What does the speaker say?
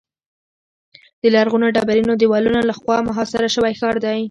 د لرغونو ډبرینو دیوالونو له خوا محاصره شوی ښار دی.